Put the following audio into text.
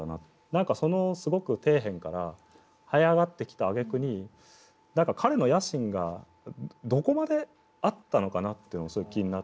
何かそのすごく底辺からはい上がってきたあげくに彼の野心がどこまであったのかなというのがすごく気になって。